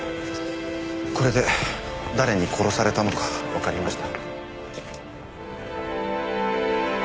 これで誰に殺されたのかわかりました。